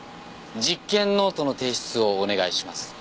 実験ノートの提出をお願いします。